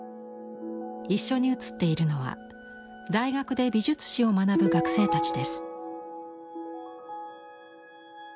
一緒に写っているのは大学で美術史を学ぶ学生たちです。